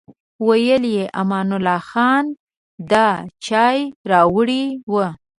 ویل یې امان الله خان دا چای راوړی و.